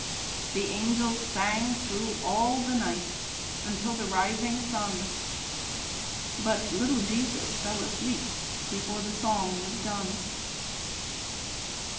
The angels sang thro' all the night Until the rising sun, But little Jesus fell asleep Before the song was done.